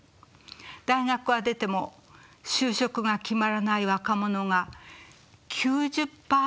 大学は出ても就職が決まらない若者が９０％以上でした。